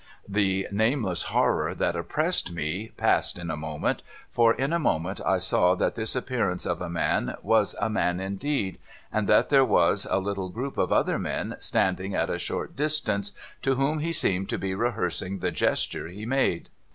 The nameless horror that oppressed me passed in a moment, for in a moment I saw that this appearance of a man was a man indeed, and that there was a little group of other men, standing at a short distance, to whom he seemed to be rehearsing the gesture he made.